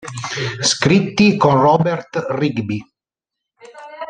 Scritti con Robert Rigby.